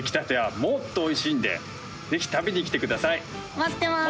待ってまーす。